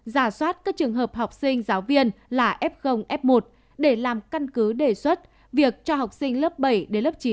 giả soát các trường hợp học sinh giáo viên là f f một để làm căn cứ đề xuất việc cho học sinh lớp bảy đến lớp chín